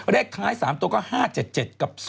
เลขท้าย๓ตัวก็๕๗๗กับ๒